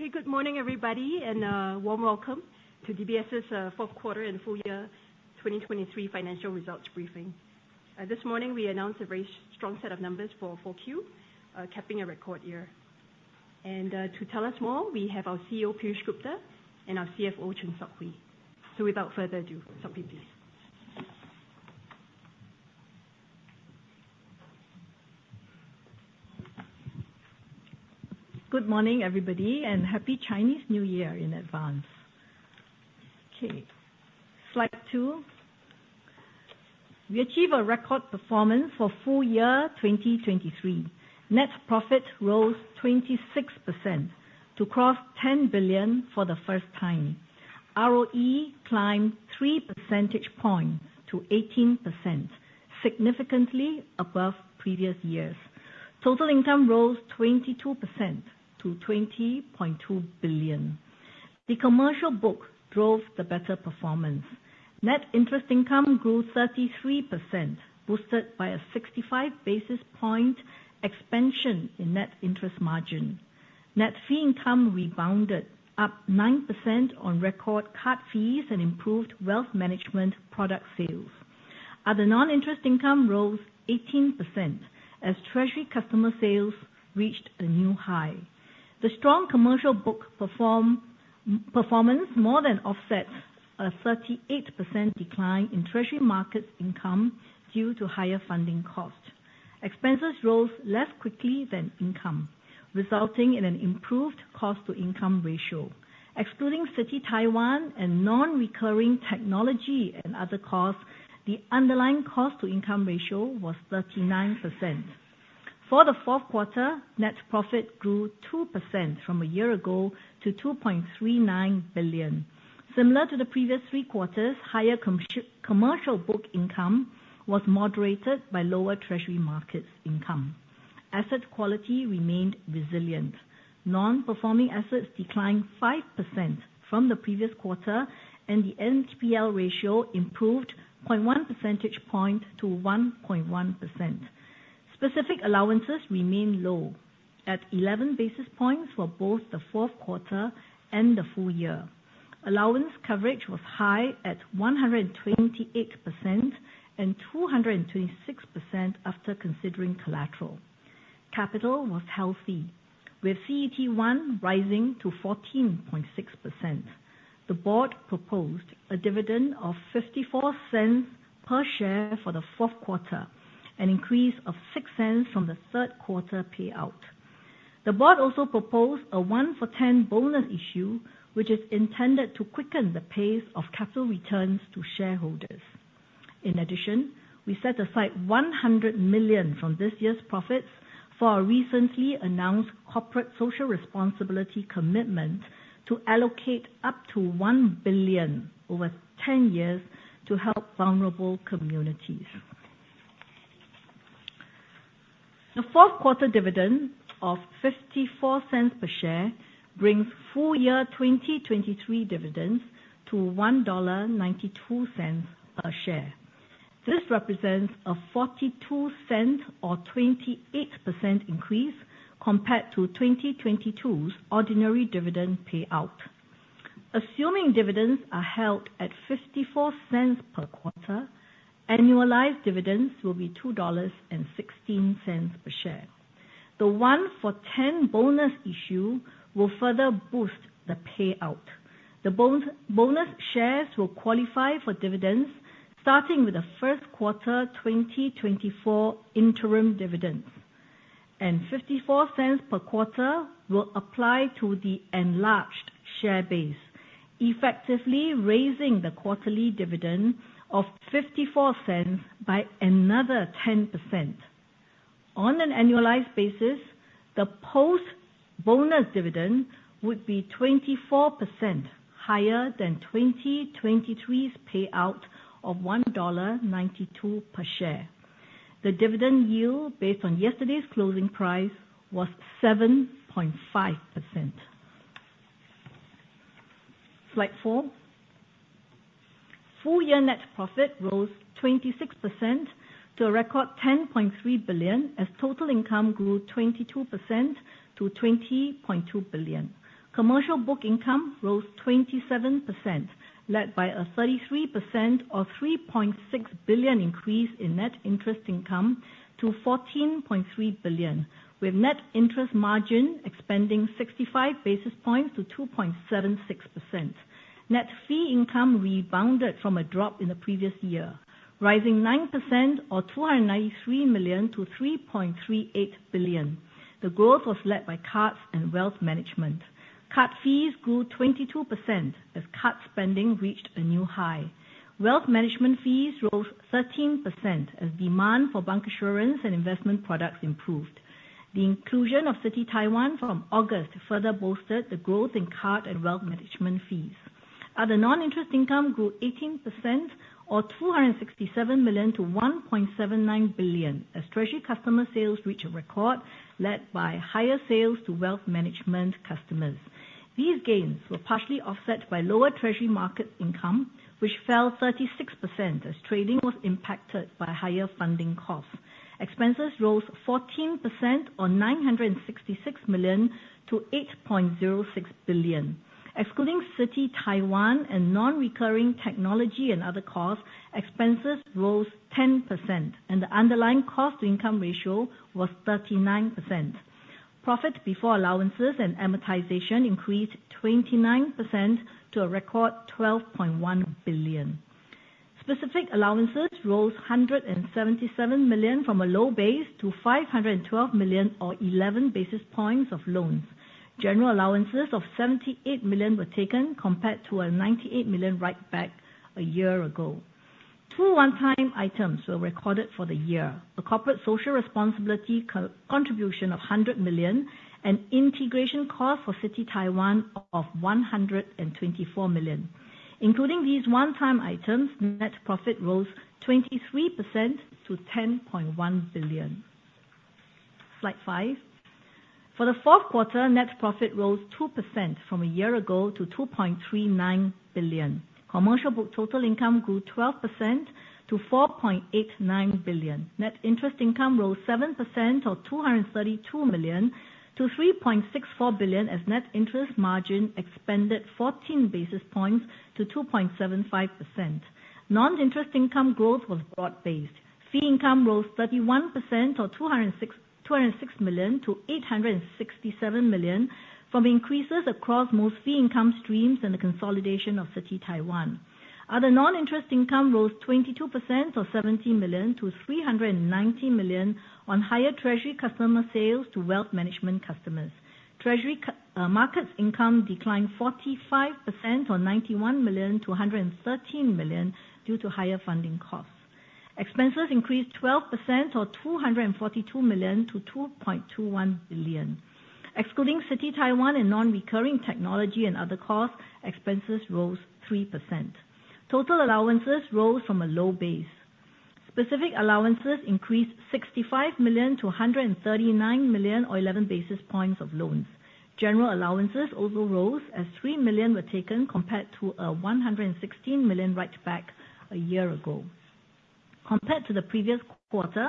Okay, good morning, everybody, and, warm welcome to DBS's, Q4 and full year 2023 financial results briefing. This morning we announced a very strong set of numbers for 4Q, capping a record year. And, to tell us more, we have our CEO, Piyush Gupta, and our CFO, Chng Sok Hui. So without further ado, Sok Hui, please. Good morning, everybody, and Happy Chinese New Year in advance. Okay, slide two. We achieve a record performance for full year 2023. Net profit rose 26% to cross 10 billion for the first time. ROE climbed 3 percentage points to 18%, significantly above previous years. Total income rose 22% to 20.2 billion. The Commercial Book drove the better performance. Net interest income grew 33%, boosted by a 65 basis point expansion in net interest margin. Net fee income rebounded up 9% on record card fees and improved wealth management product sales. Other non-interest income rose 18% as Treasury Customer sales reached a new high. The strong Commercial Book performance more than offset a 38% decline in Treasury Markets income due to higher funding costs. Expenses rose less quickly than income, resulting in an improved cost to income ratio. Excluding Citi Taiwan and non-recurring technology and other costs, the underlying cost to income ratio was 39%. For the Q4, net profit grew 2% from a year ago to 2.39 billion. Similar to the previous three quarters, higher Commercial Book income was moderated by lower Treasury Markets income. Asset quality remained resilient. Non-performing assets declined 5% from the previous quarter, and the NPL ratio improved 0.1 percentage point to 1.1%. Specific allowances remain low, at 11 basis points for both the Q4 and the full year. Allowance coverage was high at 128% and 226% after considering collateral. Capital was healthy, with CET1 rising to 14.6%. The board proposed a dividend of 0.54 per share for the Q4, an increase of 6 cents from the Q3 payout. The board also proposed a 1-for-10 bonus issue, which is intended to quicken the pace of capital returns to shareholders. In addition, we set aside 100 million from this year's profits for our recently announced corporate social responsibility commitment to allocate up to 1 billion over 10 years to help vulnerable communities. The Q4 dividend of 0.54 per share brings full-year 2023 dividends to 1.92 dollar a share. This represents a 42-cent or 28% increase compared to 2022's ordinary dividend payout. Assuming dividends are held at 0.54 per quarter, annualized dividends will be 2.16 dollars per share. The 1-for-10 bonus issue will further boost the payout. The bonus shares will qualify for dividends, starting with the Q1 2024 interim dividends, and 0.54 per quarter will apply to the enlarged share base, effectively raising the quarterly dividend of 0.54 by another 10%. On an annualized basis, the post-bonus dividend would be 24% higher than 2023's payout of 1.92 dollar per share. The dividend yield, based on yesterday's closing price, was 7.5%. Slide four. Full year net profit rose 26% to a record 10.3 billion, as total income grew 22% to 20.2 billion. Commercial banking income rose 27%, led by a 33% or 3.6 billion increase in net interest income to 14.3 billion, with net interest margin expanding 65 basis points to 2.76%. Net fee income rebounded from a drop in the previous year, rising 9% or 293 million to 3.38 billion. The growth was led by cards and wealth management. Card fees grew 22% as card spending reached a new high. Wealth management fees rose 13% as demand for bank insurance and investment products improved. The inclusion of Citi Taiwan from August further bolstered the growth in card and wealth management fees. Other non-interest income grew 18% or 267 million to 1.79 billion as Treasury Customer sales reached a record, led by higher sales to wealth management customers. These gains were partially offset by lower treasury market income, which fell 36% as trading was impacted by higher funding costs. Expenses rose 14% or 966 million to 8.06 billion. Excluding Citi Taiwan and non-recurring technology and other costs, expenses rose 10%, and the underlying cost-to-income ratio was 39%. Profit before allowances and amortization increased 29% to a record 12.1 billion. Specific allowances rose 177 million from a low base to 512 million, or 11 basis points of loans. General allowances of 78 million were taken compared to a 98 million write-back a year ago. Two one-time items were recorded for the year: a corporate social responsibility co-contribution of 100 million and integration cost for Citi Taiwan of 124 million. Including these one-time items, net profit rose 23% to 10.1 billion. Slide 5. For the Q4, net profit rose 2% from a year ago to 2.39 billion. Commercial Book total income grew 12% to 4.89 billion. Net interest income rose 7% or 232 million to 3.64 billion, as net interest margin expanded 14 basis points to 2.75%. Non-interest income growth was broad-based. Fee income rose 31% or 206, 206 million to 867 million from increases across most fee income streams and the consolidation of Citi Taiwan. Other non-interest income rose 22% or 70 million to 390 million on higher Treasury Customer sales to wealth management customers. Treasury Markets income declined 45% or 91 million to 113 million due to higher funding costs. Expenses increased 12% or 242 million to 2.21 billion. Excluding Citi Taiwan and non-recurring technology and other costs, expenses rose 3%. Total allowances rose from a low base. Specific allowances increased 65 million to 139 million, or 11 basis points of loans. General allowances also rose, as 3 million were taken compared to 116 million write-back a year ago. Compared to the previous quarter,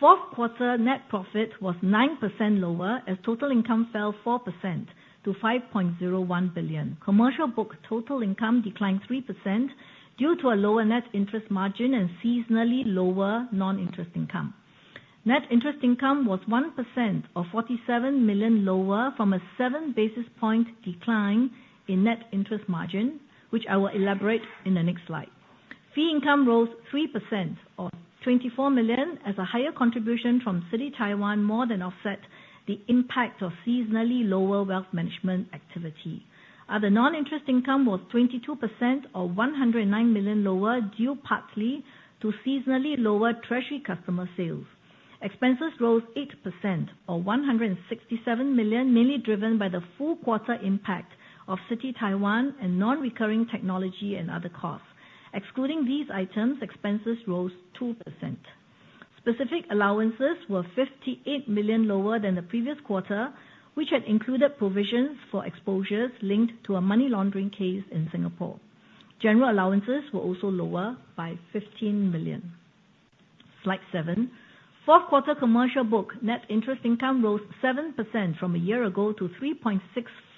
Q4 net profit was 9% lower, as total income fell 4% to 5.01 billion. Commercial Book total income declined 3% due to a lower net interest margin and seasonally lower non-interest income. Net interest income was 1% or 47 million lower from a 7 basis point decline in net interest margin, which I will elaborate in the next slide. Fee income rose 3% or 24 million, as a higher contribution from Citi Taiwan more than offset the impact of seasonally lower wealth management activity. Other non-interest income was 22% or 109 million lower, due partly to seasonally lower Treasury Customer sales. Expenses rose 8% or 167 million, mainly driven by the full quarter impact of Citi Taiwan and non-recurring technology and other costs. Excluding these items, expenses rose 2%. Specific allowances were 58 million lower than the previous quarter, which had included provisions for exposures linked to a money laundering case in Singapore. General allowances were also lower by 15 million. Slide 7. Q4 Commercial Book, net interest income rose 7% from a year ago to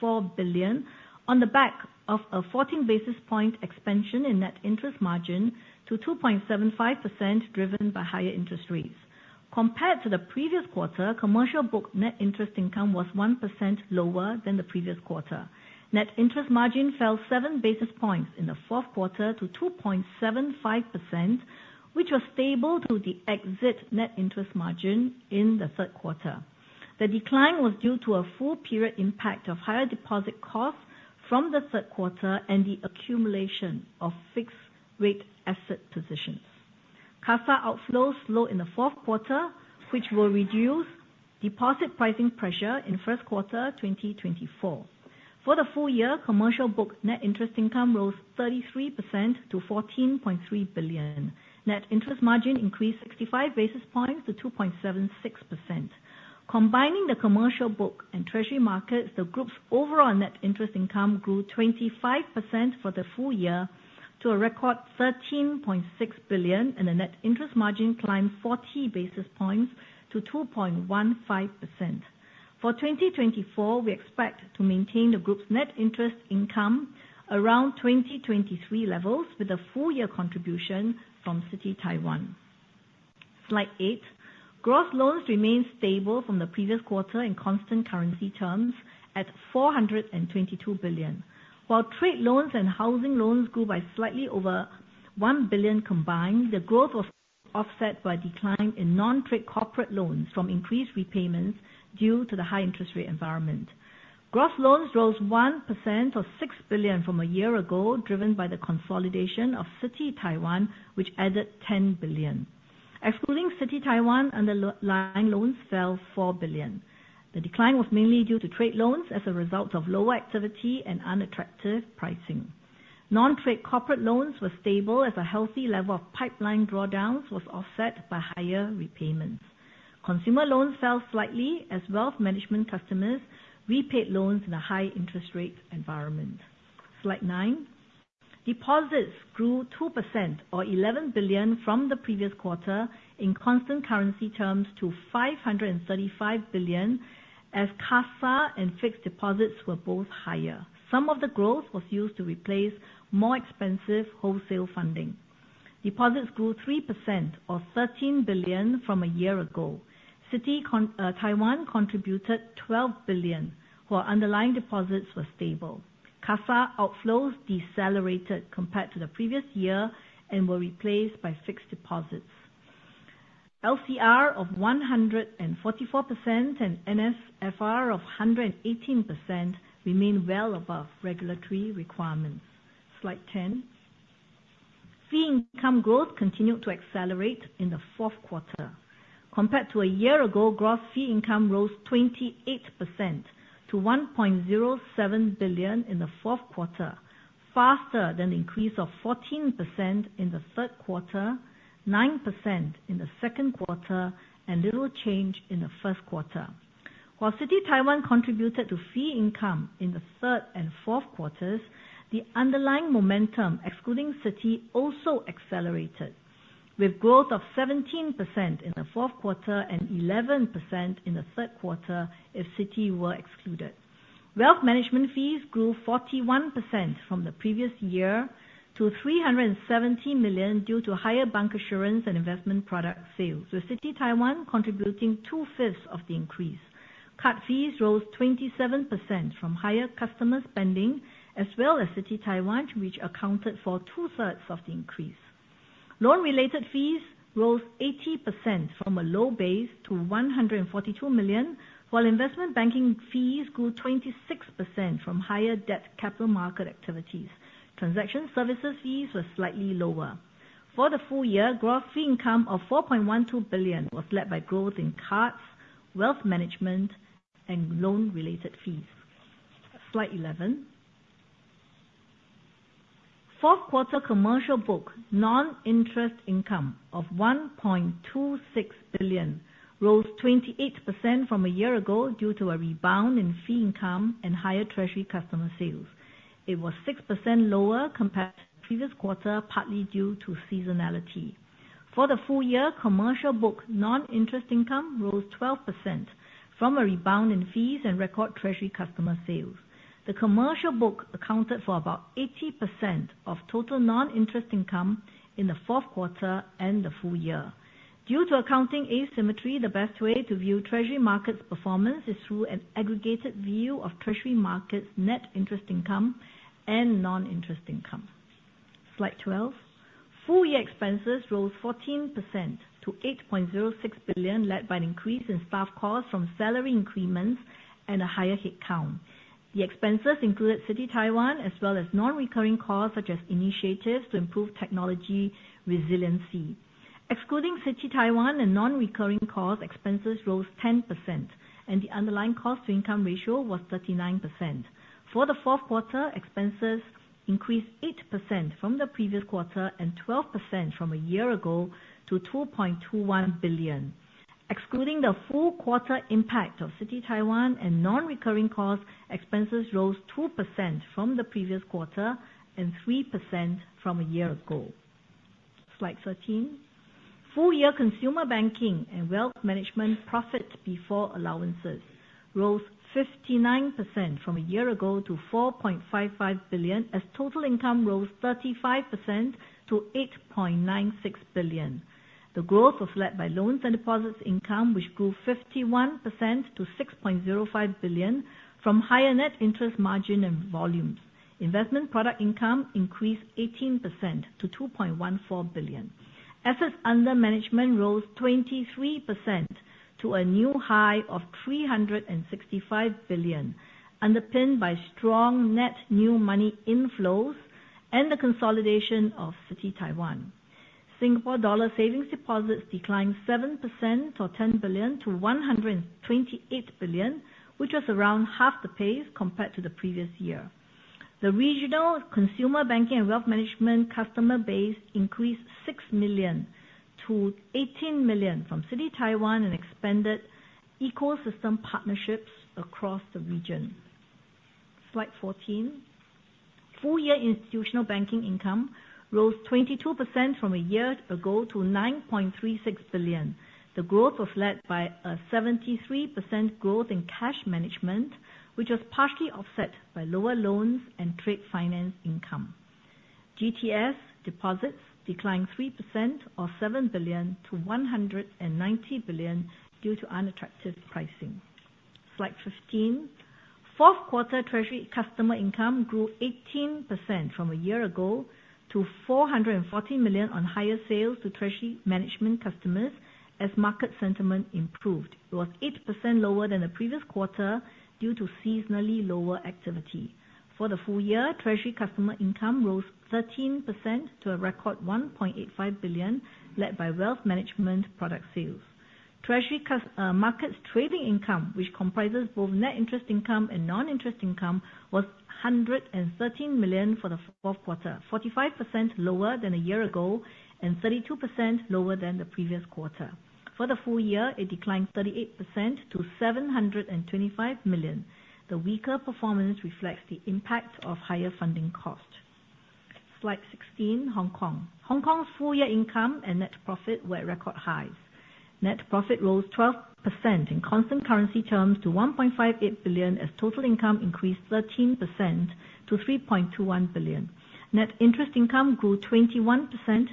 3.64 billion on the back of a 14 basis point expansion in net interest margin to 2.75%, driven by higher interest rates. Compared to the previous quarter, Commercial Book net interest income was 1% lower than the previous quarter. Net interest margin fell 7 basis points in the Q4 to 2.75%, which was stable to the exit net interest margin in the Q3. The decline was due to a full period impact of higher deposit costs from the Q3 and the accumulation of fixed rate asset positions. CASA outflows slowed in the Q4, which will reduce deposit pricing pressure in Q1, 2024. For the full year, Commercial Book net interest income rose 33% to 14.3 billion. Net interest margin increased 65 basis points to 2.76%. Combining the Commercial Book and Treasury Markets, the group's overall net interest income grew 25% for the full year to a record 13.6 billion, and the net interest margin climbed 40 basis points to 2.15%. For 2024, we expect to maintain the group's net interest income around 2023 levels, with a full year contribution from Citi Taiwan. Slide 8. Gross loans remained stable from the previous quarter in constant currency terms at SGD 422 billion. While trade loans and housing loans grew by slightly over SGD 1 billion combined, the growth was offset by a decline in non-trade corporate loans from increased repayments due to the high interest rate environment. Gross loans rose 1% or 6 billion from a year ago, driven by the consolidation of Citi Taiwan, which added 10 billion. Excluding Citi Taiwan, underlying loans fell 4 billion. The decline was mainly due to trade loans as a result of lower activity and unattractive pricing. Non-trade corporate loans were stable, as a healthy level of pipeline drawdowns was offset by higher repayments. Consumer loans fell slightly as wealth management customers repaid loans in a high interest rate environment. Slide nine. Deposits grew 2%, or 11 billion from the previous quarter, in constant currency terms, to 535 billion, as CASA and fixed deposits were both higher. Some of the growth was used to replace more expensive wholesale funding. Deposits grew 3%, or 13 billion from a year ago. Citi Taiwan contributed 12 billion, while underlying deposits were stable. CASA outflows decelerated compared to the previous year and were replaced by fixed deposits. LCR of 144% and NSFR of 118% remain well above regulatory requirements. Slide ten. Fee income growth continued to accelerate in the Q4. Compared to a year ago, gross fee income rose 28% to 1.07 billion in the Q4, faster than the increase of 14% in the Q3, 9% in the Q2, and little change in the Q1. While Citi Taiwan contributed to fee income in the third and Q4s, the underlying momentum, excluding Citi, also accelerated, with growth of 17% in the Q4 and 11% in the Q3 if Citi were excluded. Wealth management fees grew 41% from the previous year to 370 million due to higher bancassurance and investment product sales, with Citi Taiwan contributing 2/5 of the increase. Card fees rose 27% from higher customer spending, as well as Citi Taiwan, which accounted for 2/3 of the increase. Loan-related fees rose 80% from a low base to 142 million, while investment banking fees grew 26% from higher debt capital market activities. Transaction services fees were slightly lower. For the full year, gross fee income of 4.12 billion was led by growth in cards, wealth management, and loan-related fees. Slide 11. Q4 Commercial Book, non-interest income of 1.26 billion, rose 28% from a year ago due to a rebound in fee income and higher Treasury Customer sales. It was 6% lower compared to the previous quarter, partly due to seasonality. For the full year, Commercial Book non-interest income rose 12% from a rebound in fees and record Treasury Customer sales. The Commercial Book accounted for about 80% of total non-interest income in the Q4 and the full year. Due to accounting asymmetry, the best way to view Treasury Markets' performance is through an aggregated view of Treasury Markets' net interest income and non-interest income. Slide 12. Full year expenses rose 14% to 8.06 billion, led by an increase in staff costs from salary increments and a higher headcount. The expenses included Citi Taiwan, as well as non-recurring costs, such as initiatives to improve technology resiliency. Excluding Citi Taiwan and non-recurring costs, expenses rose 10%, and the underlying cost-to-income ratio was 39%. For the Q4, expenses increased 8% from the previous quarter and 12% from a year ago to 2.21 billion. Excluding the full quarter impact of Citi Taiwan and non-recurring costs, expenses rose 2% from the previous quarter and 3% from a year ago. Slide 13. Full year Consumer Banking and Wealth Management profit before allowances rose 59% from a year ago to 4.55 billion, as total income rose 35% to 8.96 billion. The growth was led by loans and deposits income, which grew 51% to 6.05 billion from higher net interest, margin, and volumes. Investment product income increased 18% to 2.14 billion. Assets under management rose 23% to a new high of 365 billion, underpinned by strong net new money inflows and the consolidation of Citi Taiwan. Singapore dollar savings deposits declined 7%, or 10 billion, to 128 billion, which was around half the pace compared to the previous year. The regional Consumer Banking and Wealth Management customer base increased 6 million to 18 million from Citi Taiwan, and expanded ecosystem partnerships across the region. Slide 14. Full year Institutional Banking income rose 22% from a year ago to 9.36 billion. The growth was led by a 73% growth in cash management, which was partially offset by lower loans and trade finance income. GTS deposits declined 3%, or 7 billion, to 190 billion due to unattractive pricing. Slide 15. Q4 Treasury Customer income grew 18% from a year ago to 440 million on higher sales to treasury management customers as market sentiment improved. It was 8% lower than the previous quarter, due to seasonally lower activity. For the full year, Treasury Customer income rose 13% to a record 1.85 billion, led by wealth management product sales. Treasury Customer, markets trading income, which comprises both net interest income and non-interest income, was 113 million for the Q4, 45% lower than a year ago and 32% lower than the previous quarter. For the full year, it declined 38% to 725 million. The weaker performance reflects the impact of higher funding costs. Slide 16, Hong Kong. Hong Kong's full year income and net profit were at record highs. Net profit rose 12% in constant currency terms to 1.58 billion, as total income increased 13% to 3.21 billion. Net interest income grew 21%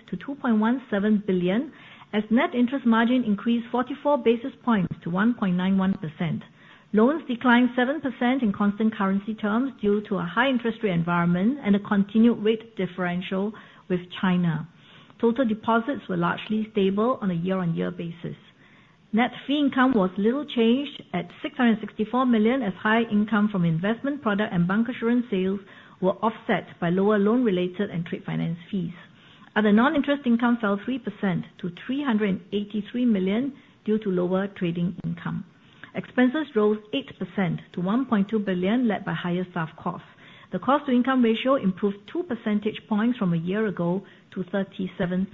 to 2.17 billion, as net interest margin increased 44 basis points to 1.91%. Loans declined 7% in constant currency terms due to a high interest rate environment and a continued rate differential with China. Total deposits were largely stable on a year-on-year basis. Net fee income was little changed at 664 million, as high income from investment product and bank insurance sales were offset by lower loan-related and trade finance fees. Other non-interest income fell 3% to 383 million due to lower trading income. Expenses rose 8% to 1.2 billion, led by higher staff costs. The cost-to-income ratio improved two percentage points from a year ago to 37%.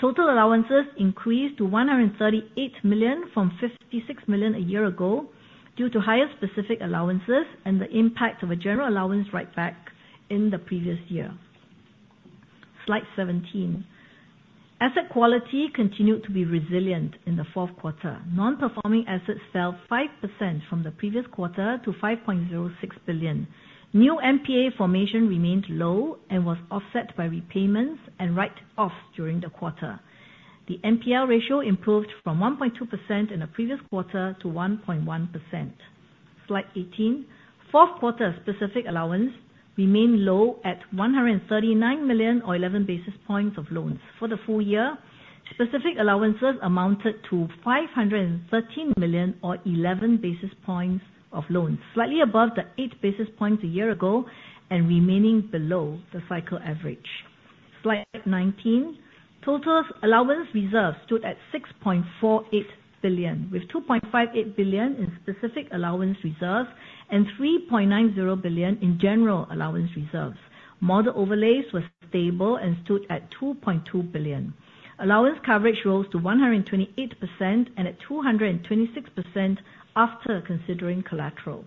Total allowances increased to 138 million from 56 million a year ago, due to higher specific allowances and the impact of a general allowance write back in the previous year. Slide 17. Asset quality continued to be resilient in the Q4. Non-performing assets fell 5% from the previous quarter to 5.06 billion. New NPA formation remained low and was offset by repayments and write-offs during the quarter. The NPA ratio improved from 1.2% in the previous quarter to 1.1%. Slide 18. Q4 specific allowance remained low at 139 million, or 11 basis points of loans. For the full year, specific allowances amounted to 513 million, or 11 basis points of loans, slightly above the 8 basis points a year ago and remaining below the cycle average. Slide 19. Total allowance reserves stood at 6.48 billion, with 2.58 billion in specific allowance reserves and 3.90 billion in general allowance reserves. Model overlays were stable and stood at 2.2 billion. Allowance coverage rose to 128% and at 226% after considering collateral.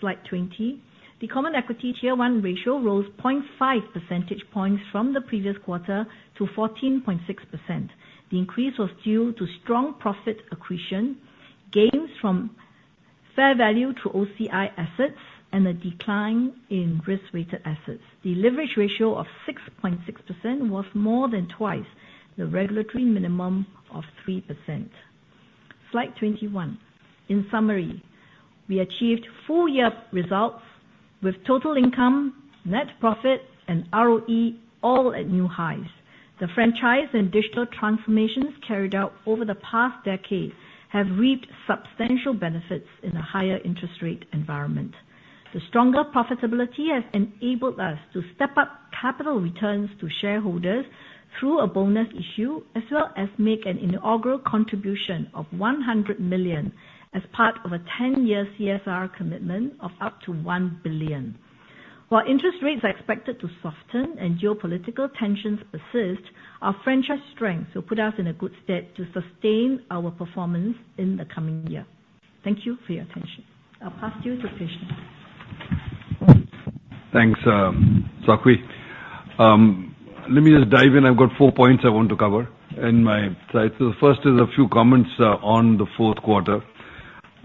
Slide 20. The Common Equity Tier 1 ratio rose 0.5 percentage points from the previous quarter to 14.6%. The increase was due to strong profit accretion, gains from fair value to OCI assets, and a decline in risk-weighted assets. The leverage ratio of 6.6% was more than twice the regulatory minimum of 3%. Slide 21. In summary, we achieved full year results with total income, net profit, and ROE all at new highs. The franchise and digital transformations carried out over the past decade have reaped substantial benefits in a higher interest rate environment. The stronger profitability has enabled us to step up capital returns to shareholders through a bonus issue, as well as make an inaugural contribution of 100 million as part of a 10-year CSR commitment of up to 1 billion. While interest rates are expected to soften and geopolitical tensions persist, our franchise strength will put us in a good state to sustain our performance in the coming year. Thank you for your attention. I'll pass you to Piyush. Thanks, Sok Hui. Let me just dive in. I've got four points I want to cover in my slide. So the first is a few comments on the Q4.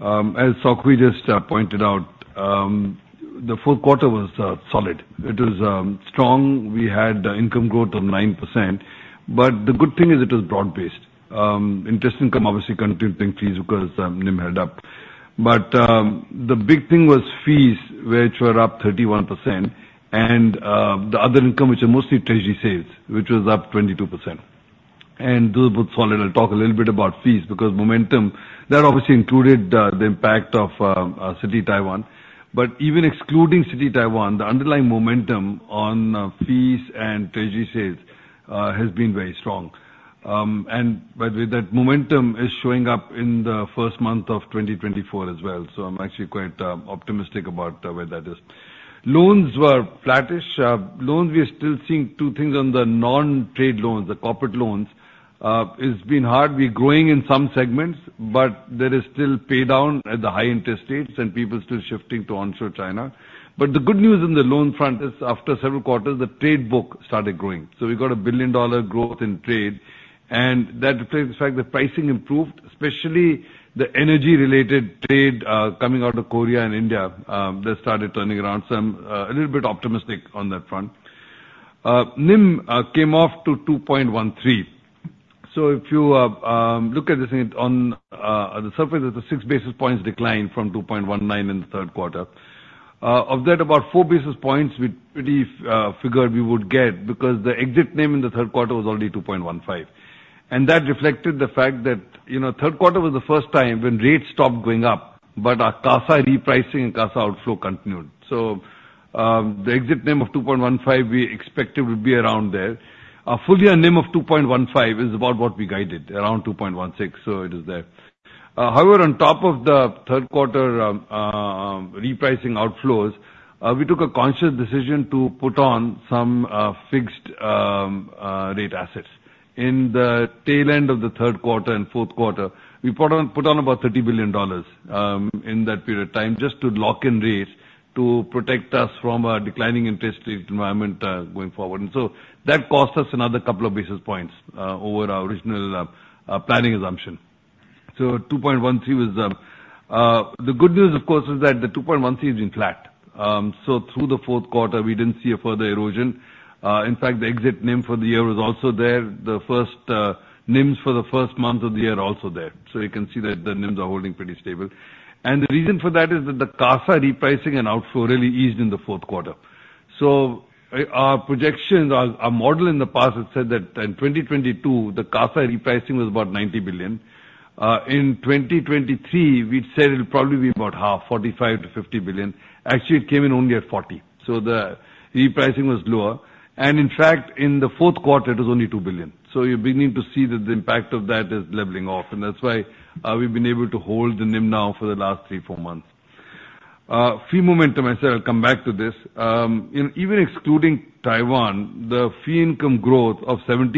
As Sok Hui just pointed out, the Q4 was solid. It was strong. We had income growth of 9%, but the good thing is it was broad-based. Interest income obviously continuing to increase because NIM held up. But the big thing was fees, which were up 31%, and the other income, which are mostly treasury sales, which was up 22%, and those were both solid. I'll talk a little bit about fees, because momentum, that obviously included the impact of Citi Taiwan. But even excluding Citi Taiwan, the underlying momentum on fees and treasury sales has been very strong. By the way, that momentum is showing up in the first month of 2024 as well, so I'm actually quite optimistic about where that is. Loans were flattish. Loans, we are still seeing two things on the non-trade loans, the corporate loans. It's been hard. We're growing in some segments, but there is still pay down at the high interest rates and people still shifting to onshore China. But the good news on the loan front is, after several quarters, the trade book started growing. So we got a $1 billion growth in trade, and that reflects the fact that pricing improved, especially the energy-related trade coming out of Korea and India that started turning around. So I'm a little bit optimistic on that front. NIM came off to 2.13. So if you look at this on the surface, it's a 6 basis points decline from 2.19 in the Q3. Of that, about 4 basis points, we pretty figured we would get, because the exit NIM in the Q3 was already 2.15. And that reflected the fact that, you know, Q3 was the first time when rates stopped going up, but our CASA repricing and CASA outflow continued. So, the exit NIM of 2.15, we expected would be around there. Our full-year NIM of 2.15 is about what we guided, around 2.16, so it is there. However, on top of the Q3 repricing outflows, we took a conscious decision to put on some fixed rate assets. In the tail end of the Q3 and Q4, we put on about $30 billion in that period of time just to lock in rates to protect us from a declining interest rate environment going forward. So that cost us another couple of basis points over our original planning assumption. 2.13 was... The good news, of course, is that the 2.13 has been flat. So through the Q4, we didn't see a further erosion. In fact, the exit NIM for the year was also there. The first NIMs for the first month of the year are also there. So you can see that the NIMs are holding pretty stable. And the reason for that is that the CASA repricing and outflow really eased in the Q4. Our projections, our model in the past has said that in 2022, the CASA repricing was about 90 billion. In 2023, we'd said it'll probably be about half, 45 billion-50 billion. Actually, it came in only at 40 billion, so the repricing was lower. In fact, in the Q4, it was only 2 billion. So you're beginning to see that the impact of that is leveling off, and that's why we've been able to hold the NIM now for the last 3, 4 months. Fee momentum, I said I'd come back to this. Even excluding Taiwan, the fee income growth of 17%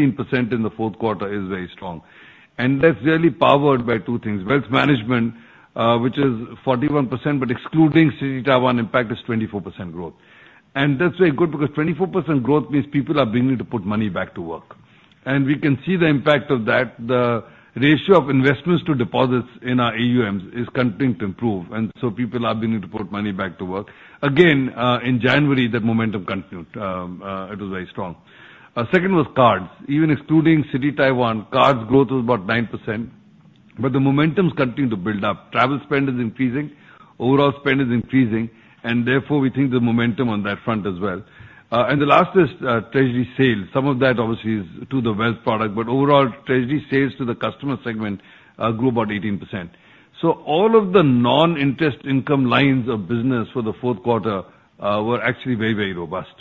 in the Q4 is very strong, and that's really powered by two things: wealth management, which is 41%, but excluding Citi Taiwan impact, is 24% growth. That's very good because 24% growth means people are beginning to put money back to work. And we can see the impact of that. The ratio of investments to deposits in our AUMs is continuing to improve, and so people are beginning to put money back to work. Again, in January, that momentum continued, it was very strong. Our second was cards. Even excluding Citi Taiwan, cards growth was about 9%, but the momentum's continuing to build up. Travel spend is increasing, overall spend is increasing, and therefore we think there's momentum on that front as well. And the last is, treasury sales. Some of that obviously is to the wealth product, but overall, treasury sales to the customer segment, grew about 18%. All of the non-interest income lines of business for the Q4 were actually very, very robust.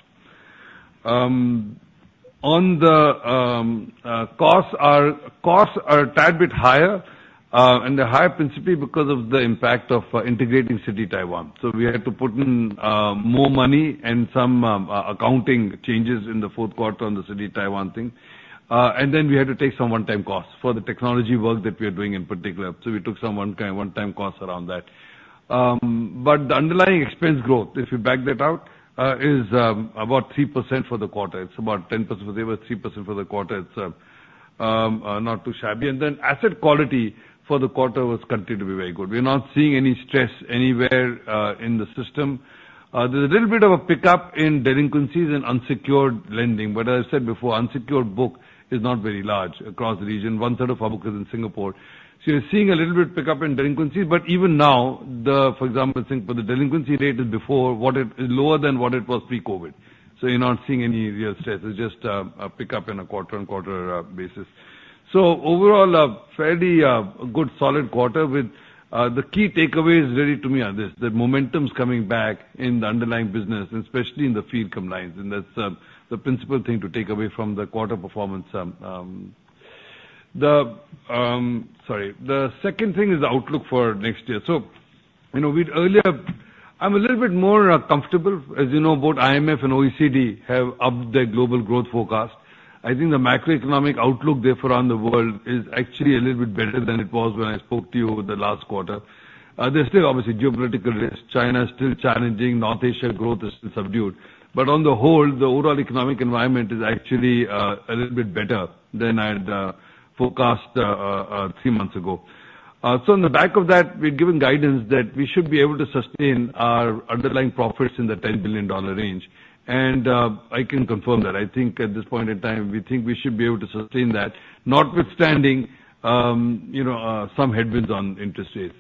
On the costs, our costs are a tad bit higher, and they're higher principally because of the impact of integrating Citi Taiwan. We had to put in more money and some accounting changes in the Q4 on the Citi Taiwan thing. And then we had to take some one-time costs for the technology work that we are doing in particular. We took some one-time costs around that. But the underlying expense growth, if you back that out, is about 3% for the quarter. It's about 10% for there, but 3% for the quarter. It's not too shabby. And then asset quality for the quarter continued to be very good. We're not seeing any stress anywhere in the system. There's a little bit of a pickup in delinquencies in unsecured lending, but as I said before, unsecured book is not very large across the region. One third of our book is in Singapore. So you're seeing a little bit pickup in delinquencies, but even now, for example, I think the delinquency rate is lower than what it was pre-COVID. So you're not seeing any real stress. It's just a pickup in a quarter-on-quarter basis. So overall, a fairly good solid quarter with the key takeaways really to me are this: the momentum's coming back in the underlying business, especially in the fee income lines, and that's the principal thing to take away from the quarter performance. Sorry, the second thing is the outlook for next year. So, you know, we'd earlier. I'm a little bit more comfortable. As you know, both IMF and OECD have upped their global growth forecast. I think the macroeconomic outlook, therefore, on the world is actually a little bit better than it was when I spoke to you over the last quarter. There's still obviously geopolitical risks. China is still challenging, North Asia growth is still subdued. But on the whole, the overall economic environment is actually a little bit better than I'd forecast three months ago. So on the back of that, we've given guidance that we should be able to sustain our underlying profits in the 10 billion dollar range, and I can confirm that. I think at this point in time, we think we should be able to sustain that, notwithstanding you know some headwinds on interest rates.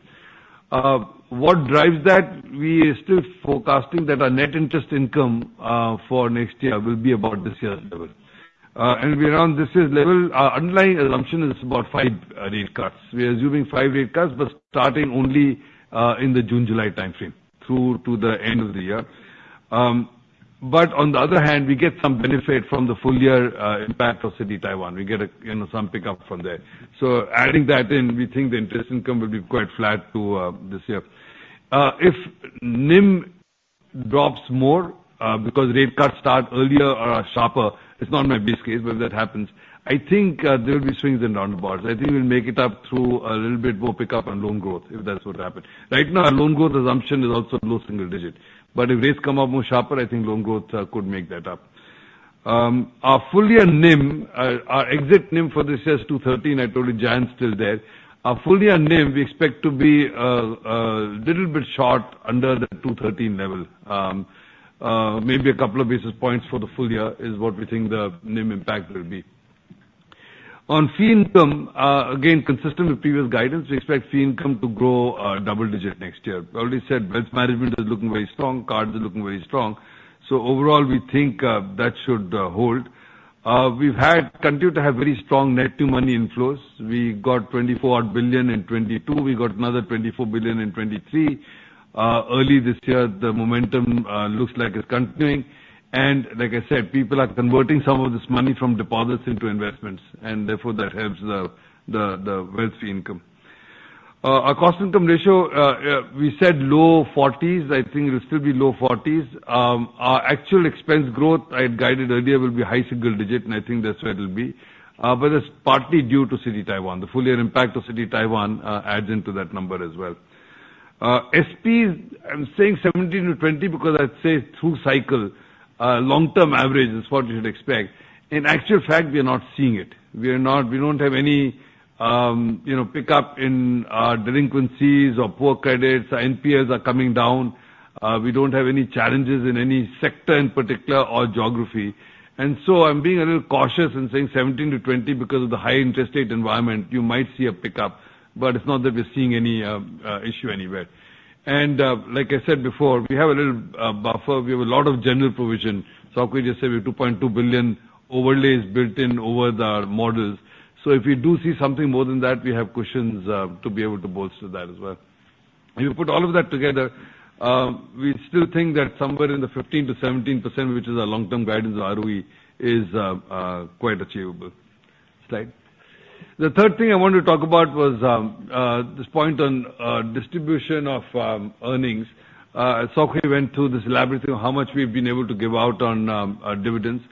What drives that? We are still forecasting that our net interest income for next year will be about this year's level. And around this year's level, our underlying assumption is about 5 rate cuts. We are assuming 5 rate cuts, but starting only in the June-July timeframe through to the end of the year. But on the other hand, we get some benefit from the full-year impact of Citi Taiwan. We get, you know, some pickup from there. So adding that in, we think the interest income will be quite flat to this year. If NIM drops more because rate cuts start earlier or are sharper, it's not my base case, but if that happens, I think there will be swings in non-interest. I think we'll make it up through a little bit more pickup on loan growth, if that's what happens. Right now, our loan growth assumption is also low single digit, but if rates come down more sharply, I think loan growth could make that up. Our full-year NIM, our exit NIM for this year is 2.13. I told you, NIM's still there. Our full-year NIM, we expect to be little bit short under the 2.13 level. Maybe a couple of basis points for the full year is what we think the NIM impact will be. On fee income, again, consistent with previous guidance, we expect fee income to grow double digit next year. I already said wealth management is looking very strong, cards are looking very strong, so overall, we think that should hold. We've continued to have very strong net new money inflows. We got 24-odd billion in 2022, we got another 24 billion in 2023. Early this year, the momentum looks like it's continuing. And like I said, people are converting some of this money from deposits into investments, and therefore, that helps the wealth fee income. Our cost income ratio, we said low 40s; I think it'll still be low 40s. Our actual expense growth, I had guided earlier, will be high single digit, and I think that's where it'll be. But it's partly due to Citi Taiwan. The full year impact of Citi Taiwan adds into that number as well. SP, I'm saying 17-20 because I'd say through cycle, long-term average is what you'd expect. In actual fact, we are not seeing it. We are not—we don't have any, you know, pickup in, delinquencies or poor credits. Our NPAs are coming down. We don't have any challenges in any sector in particular or geography. I'm being a little cautious in saying 17-20 because of the high interest rate environment, you might see a pickup, but it's not that we're seeing any issue anywhere. Like I said before, we have a little buffer. We have a lot of general provision. Sok Hui just said we have 2.2 billion overlays built in over the models. So if we do see something more than that, we have cushions to be able to bolster that as well. You put all of that together, we still think that somewhere in the 15%-17%, which is our long-term guidance of ROE, is quite achievable. Next slide. The third thing I wanted to talk about was this point on distribution of earnings. Sok Hui went through this elaborately on how much we've been able to give out on our dividends.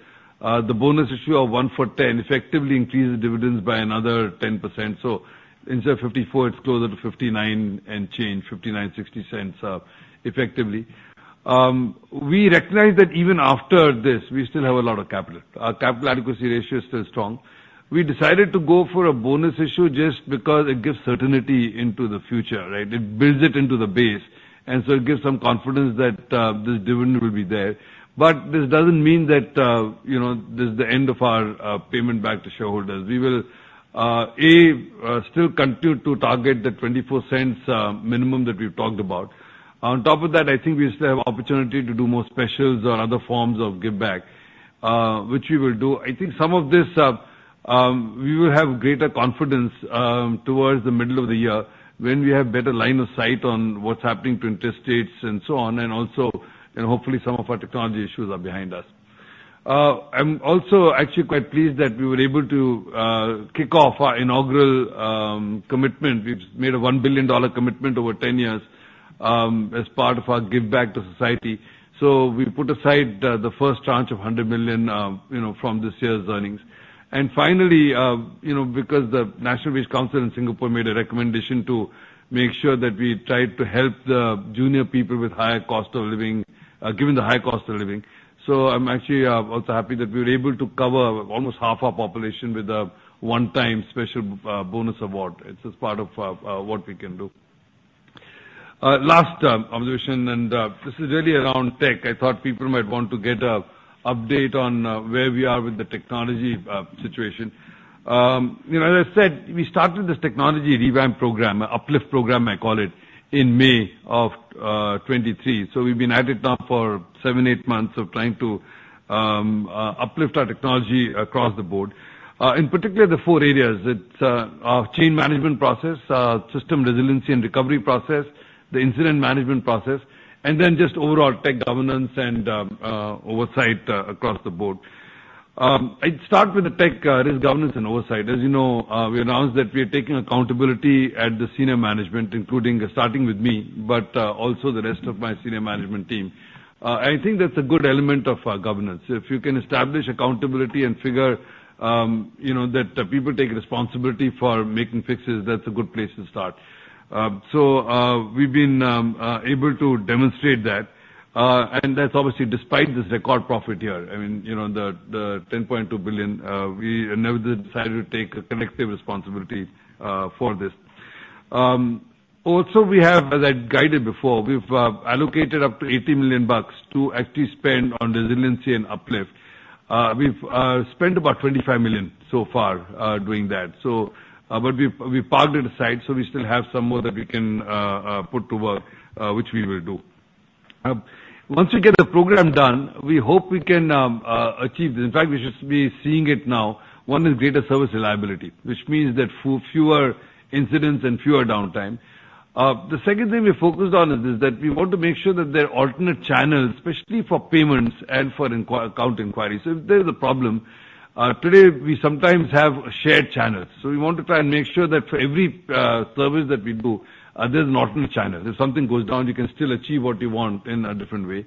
The bonus issue of 1 for 10 effectively increases dividends by another 10%. So instead of 0.54, it's closer to 0.59 and change, 0.59, 0.60, effectively. We recognize that even after this, we still have a lot of capital. Our capital adequacy ratio is still strong. We decided to go for a bonus issue just because it gives certainty into the future, right? It builds it into the base, and so it gives some confidence that this dividend will be there. But this doesn't mean that, you know, this is the end of our payment back to shareholders. We will still continue to target the 0.24 minimum that we've talked about. On top of that, I think we still have opportunity to do more specials or other forms of give back, which we will do. I think some of this, we will have greater confidence, towards the middle of the year when we have better line of sight on what's happening to interest rates and so on, and hopefully some of our technology issues are behind us. I'm also actually quite pleased that we were able to kick off our inaugural commitment. We've made a 1 billion dollar commitment over 10 years, as part of our give back to society. So we put aside the first tranche of 100 million, you know, from this year's earnings. And finally, you know, because the National Wage Council in Singapore made a recommendation to make sure that we try to help the junior people with higher cost of living, given the high cost of living. So I'm actually also happy that we were able to cover almost half our population with a one-time special bonus award. It's just part of what we can do. Last observation, and this is really around tech. I thought people might want to get an update on where we are with the technology situation. You know, as I said, we started this technology revamp program, uplift program, I call it, in May of 2023. So we've been at it now for seven, eight months of trying to uplift our technology across the board. In particular, the four areas: it's our cash management process, system resiliency and recovery process, the incident management process, and then just overall tech governance and oversight across the board. I'd start with the tech risk, governance, and oversight. As you know, we announced that we are taking accountability at the senior management, including, starting with me, but, also the rest of my senior management team. I think that's a good element of our governance. If you can establish accountability and figure, you know, that people take responsibility for making fixes, that's a good place to start. So, we've been able to demonstrate that, and that's obviously despite this record profit here. I mean, you know, the 10.2 billion, we nevertheless decided to take a collective responsibility for this. Also, we have, as I guided before, we've allocated up to 80 million bucks to actually spend on resiliency and uplift. We've spent about 25 million so far, doing that, so, but we parked it aside, so we still have some more that we can put to work, which we will do. Once we get the program done, we hope we can achieve this. In fact, we should be seeing it now. One is greater service reliability, which means that fewer incidents and fewer downtime. The second thing we're focused on is that we want to make sure that there are alternate channels, especially for payments and for account inquiries. So if there is a problem today, we sometimes have shared channels, so we want to try and make sure that for every service that we do, there's an alternate channel. If something goes down, you can still achieve what you want in a different way.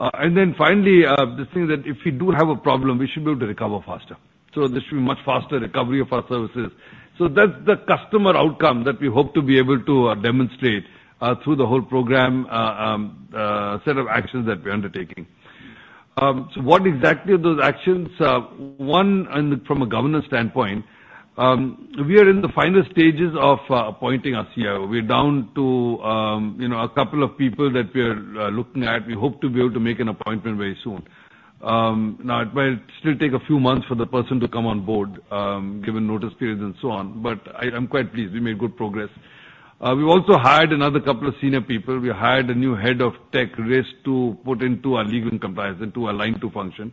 And then finally, this thing that if we do have a problem, we should be able to recover faster. So there should be much faster recovery of our services. So that's the customer outcome that we hope to be able to demonstrate through the whole program, set of actions that we're undertaking. So what exactly are those actions? One, and from a governance standpoint, we are in the final stages of appointing a CEO. We're down to you know, a couple of people that we are looking at. We hope to be able to make an appointment very soon. It will still take a few months for the person to come on board, given notice periods and so on, but I'm quite pleased we made good progress. We also hired another couple of senior people. We hired a new head of tech risk to put into our legal and compliance, into our line two function.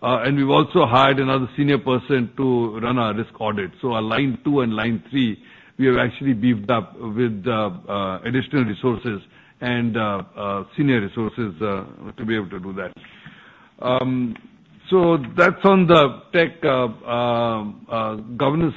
And we've also hired another senior person to run our risk audit. So our line two and line three, we have actually beefed up with the additional resources and senior resources to be able to do that. So that's on the tech governance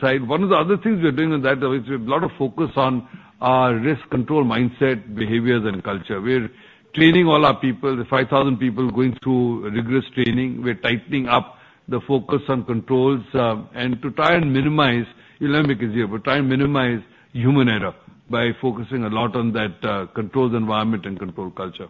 side. One of the other things we are doing on that is we have a lot of focus on our risk control mindset, behaviors, and culture. We're training all our people, the 5,000 people going through rigorous training. We're tightening up the focus on controls, and to try and minimize, you know, we try and minimize human error by focusing a lot on that, controls environment and control culture.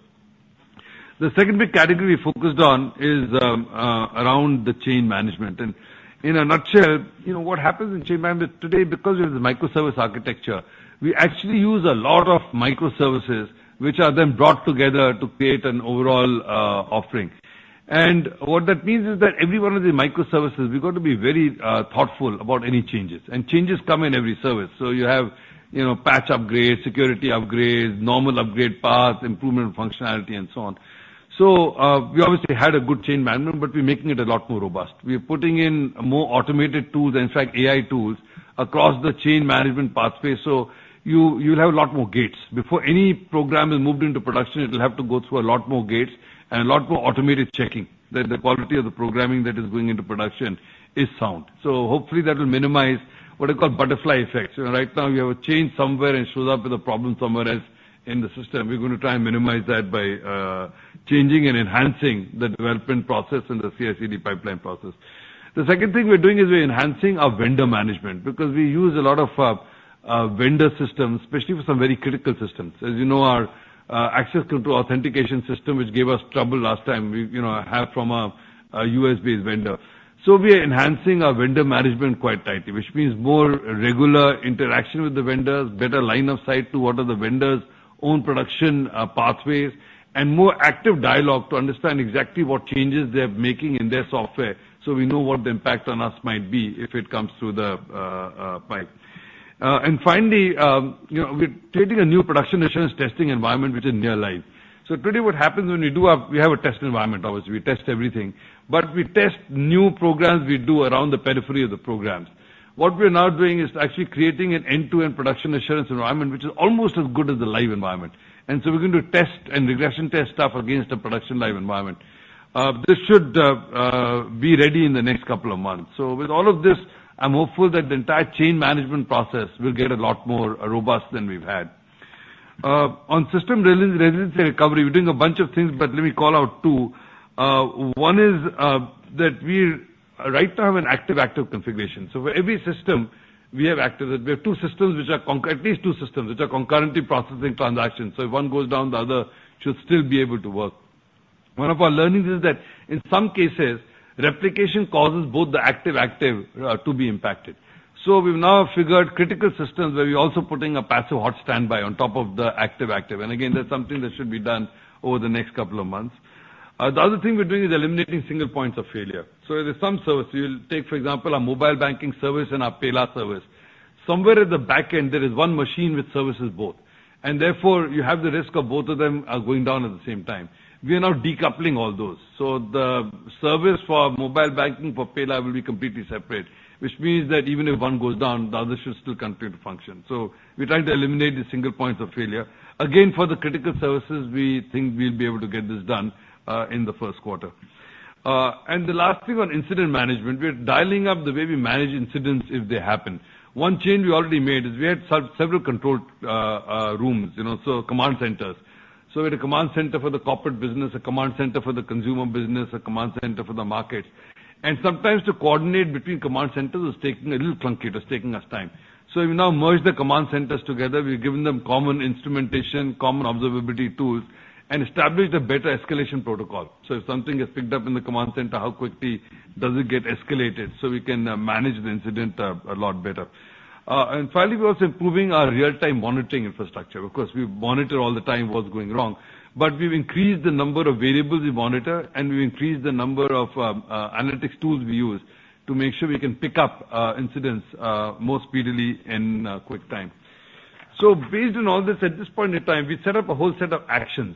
The second big category we focused on is around the change management. And in a nutshell, you know, what happens in change management today, because it is a microservice architecture, we actually use a lot of microservices, which are then brought together to create an overall, offering. And what that means is that every one of the microservices, we've got to be very, thoughtful about any changes, and changes come in every service. So you have, you know, patch upgrades, security upgrades, normal upgrade paths, improvement functionality, and so on. So, we obviously had a good change management, but we're making it a lot more robust. We're putting in more automated tools, in fact, AI tools, across the change management pathway, so you, you'll have a lot more gates. Before any program is moved into production, it'll have to go through a lot more gates and a lot more automated checking, that the quality of the programming that is going into production is sound. So hopefully that will minimize what are called butterfly effects. You know, right now, we have a change somewhere and shows up with a problem somewhere else in the system. We're gonna try and minimize that by, changing and enhancing the development process and the CI/CD pipeline process. The second thing we're doing is we're enhancing our vendor management, because we use a lot of vendor systems, especially for some very critical systems. As you know, our access control authentication system, which gave us trouble last time, we, you know, had from a U.S.-based vendor. So we are enhancing our vendor management quite tightly, which means more regular interaction with the vendors, better line of sight to what are the vendors' own production pathways, and more active dialogue to understand exactly what changes they're making in their software. So we know what the impact on us might be if it comes through the pipe. And finally, you know, we're creating a new production assurance testing environment, which is near live. So today, what happens when we do, we have a test environment, obviously, we test everything, but we test new programs we do around the periphery of the programs. What we're now doing is actually creating an end-to-end production assurance environment, which is almost as good as the live environment. And so we're going to test and regression test stuff against the production live environment. This should be ready in the next couple of months. So with all of this, I'm hopeful that the entire change management process will get a lot more robust than we've had. On system resiliency and recovery, we're doing a bunch of things, but let me call out two. One is that we right now have an active-active configuration. So for every system, we have active... We have at least two systems, which are concurrently processing transactions. So if one goes down, the other should still be able to work. One of our learnings is that in some cases, replication causes both the active-active to be impacted. So we've now figured critical systems, where we're also putting a passive hot standby on top of the active-active. And again, that's something that should be done over the next couple of months. The other thing we're doing is eliminating single points of failure. So there's some service, we'll take, for example, our mobile banking service and our PayLah! service. Somewhere at the back end, there is one machine which services both, and therefore, you have the risk of both of them going down at the same time. We are now decoupling all those. So the service for mobile banking for PayLah! will be completely separate, which means that even if one goes down, the other should still continue to function. So we're trying to eliminate the single points of failure. Again, for the critical services, we think we'll be able to get this done in the Q1. And the last thing on incident management, we're dialing up the way we manage incidents if they happen. One change we already made is we had several control rooms, you know, so command centers. So we had a command center for the corporate business, a command center for the consumer business, a command center for the markets. And sometimes to coordinate between command centers is taking a little clunky, it was taking us time. So we've now merged the command centers together. We've given them common instrumentation, common observability tools, and established a better escalation protocol. So if something is picked up in the command center, how quickly does it get escalated so we can manage the incident a lot better? And finally, we're also improving our real-time monitoring infrastructure. Of course, we monitor all the time what's going wrong, but we've increased the number of variables we monitor, and we've increased the number of analytics tools we use to make sure we can pick up incidents more speedily in quick time. So based on all this, at this point in time, we set up a whole set of actions.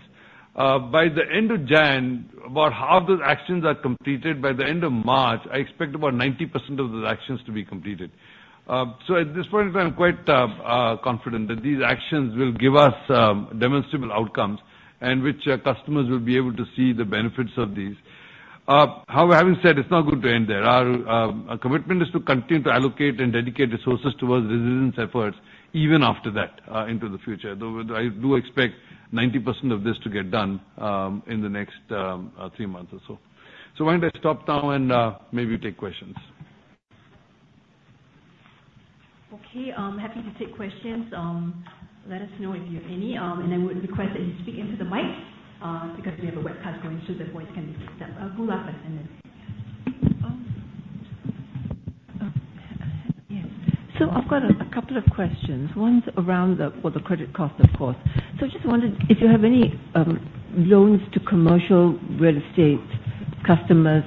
By the end of January, about half those actions are completed. By the end of March, I expect about 90% of those actions to be completed. So at this point in time, I'm quite confident that these actions will give us demonstrable outcomes, and which customers will be able to see the benefits of these. However, having said, it's not going to end there. Our commitment is to continue to allocate and dedicate resources towards resilience efforts even after that into the future. Though, I do expect 90% of this to get done in the next 3 months or so. So why don't I stop now, and maybe you take questions? Okay, happy to take questions. Let us know if you have any, and I would request that you speak into the mic, Pulak, and then-... So I've got a couple of questions. One's around, well, the credit cost, of course. So I just wondered if you have any loans to commercial real estate customers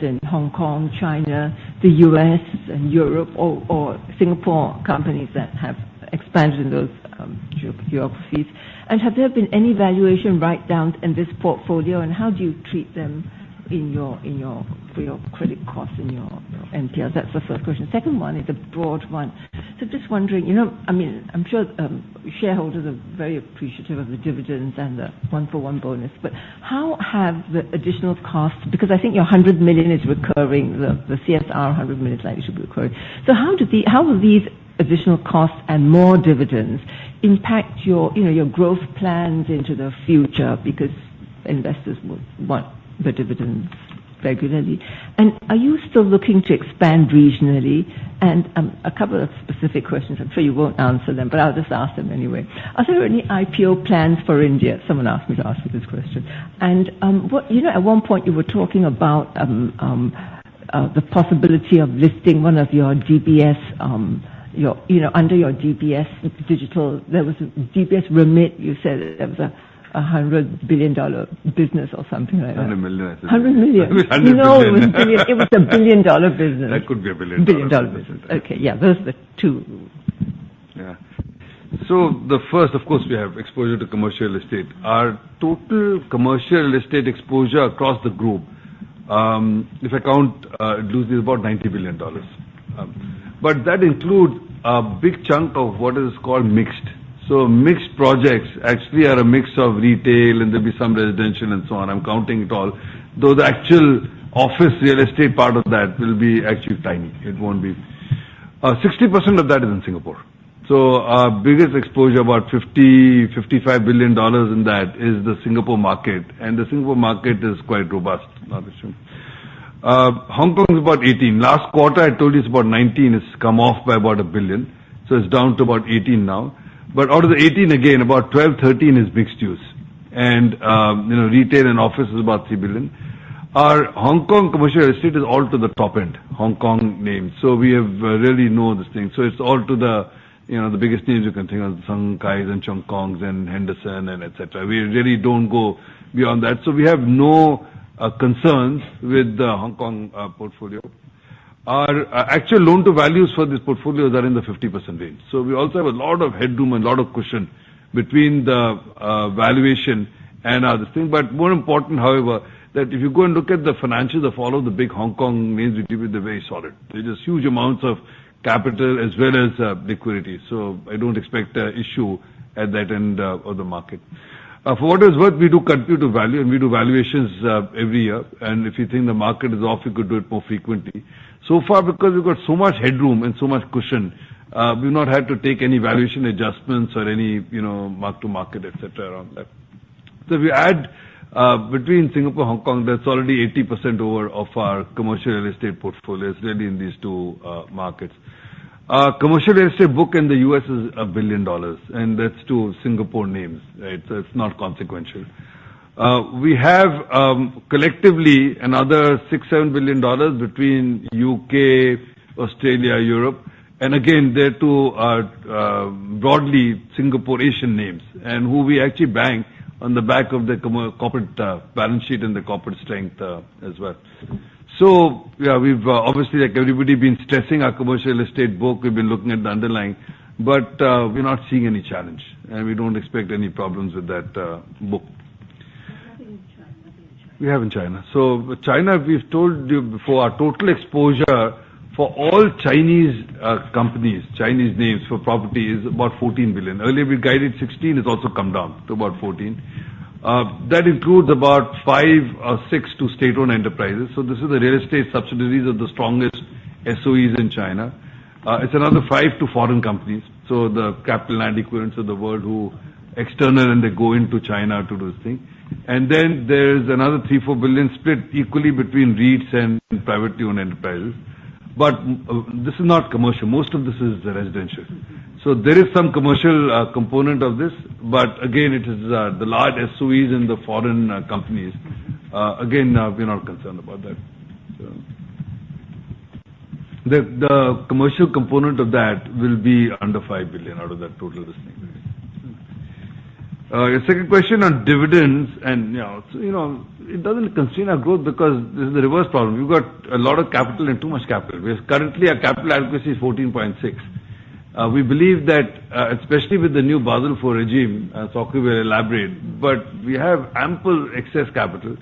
in Hong Kong, China, the U.S., and Europe or Singapore companies that have expanded in those geographies? And have there been any valuation write-downs in this portfolio, and how do you treat them in your for your credit costs in your NPL? That's the first question. Second one is a broad one. So just wondering, you know, I mean, I'm sure shareholders are very appreciative of the dividends and the one-for-one bonus, but how have the additional costs, because I think your 100 million is recurring, the CSR 100 million is likely to be recurring. So how will these additional costs and more dividends impact your, you know, your growth plans into the future? Because investors would want the dividends regularly. And, a couple of specific questions. I'm sure you won't answer them, but I'll just ask them anyway. Are there any IPO plans for India? Someone asked me to ask you this question. And, what... You know, at one point you were talking about, the possibility of listing one of your DBS, your, you know, under your DBS digital, there was a DBS remit. You said it was a $100 billion business or something like that. 100 million, I think. Hundred million. Hundred million. No, it was billion. It was a billion-dollar business. That could be a billion-dollar business. Billion-dollar business. Okay. Yeah, those are the two. Yeah. So the first, of course, we have exposure to commercial real estate. Our total commercial real estate exposure across the group, if I count loosely, is about 90 billion dollars. But that includes a big chunk of what is called mixed. So mixed projects actually are a mix of retail, and there'll be some residential, and so on. I'm counting it all. Though the actual office real estate part of that will be actually tiny. It won't be... 60% of that is in Singapore. So our biggest exposure, about 50-55 billion dollars in that, is the Singapore market, and the Singapore market is quite robust, I assume. Hong Kong is about 18 billion. Last quarter, I told you it's about 19 billion. It's come off by about 1 billion, so it's down to about 18 billion now. But out of the 18, again, about 12, 13 is mixed use. And, you know, retail and office is about 3 billion. Our Hong Kong commercial real estate is all to the top end, Hong Kong names, so we have really no other thing. So it's all to the, you know, the biggest names you can think of, Sun Kais and Cheung Kongs and Henderson and et cetera. We really don't go beyond that. So we have no concerns with the Hong Kong portfolio. Our actual loan-to-values for this portfolios are in the 50% range. So we also have a lot of headroom and a lot of cushion between the valuation and other things. But more important, however, that if you go and look at the financials of all of the big Hong Kong names, we give you the very solid. There's just huge amounts of capital as well as liquidity, so I don't expect an issue at that end of the market. For what it's worth, we do continue to value, and we do valuations every year, and if you think the market is off, you could do it more frequently. So far, because we've got so much headroom and so much cushion, we've not had to take any valuation adjustments or any, you know, mark-to-market, et cetera, around that. So if you add between Singapore and Hong Kong, that's already 80% over of our commercial real estate portfolio is really in these two markets. Our commercial real estate book in the U.S. is $1 billion, and that's two Singapore names, right? So it's not consequential. We have collectively another 6-7 billion dollars between UK, Australia, Europe, and again, they too are broadly Singaporean names, and who we actually bank on the back of the corporate balance sheet and the corporate strength, as well. So yeah, we've obviously, like everybody, been stressing our commercial real estate book. We've been looking at the underlying, but we're not seeing any challenge, and we don't expect any problems with that book. What about in China? We have in China. So China, we've told you before, our total exposure for all Chinese companies, Chinese names for property, is about $14 billion. Earlier, we guided 16, it's also come down to about $14 billion. That includes about 5 or 6 to state-owned enterprises. So this is the real estate subsidiaries of the strongest SOEs in China. It's another 5 to foreign companies, so the Capital Adequacy of the world who external and they go into China to do this thing. And then there's another $3-4 billion split equally between REITs and privately owned enterprises. But this is not commercial. Most of this is residential. So there is some commercial component of this, but again, it is the large SOEs and the foreign companies. Again, we're not concerned about that. So... The commercial component of that will be under $5 billion out of that total estate. Your second question on dividends and, you know, so, you know, it doesn't constrain our growth because this is a reverse problem. We've got a lot of capital and too much capital, because currently our capital adequacy is 14.6. We believe that, especially with the new Basel IV regime, Chng Sok Hui will elaborate, but we have ample excess capital.